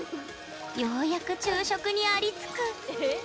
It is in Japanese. ようやく昼食にありつく。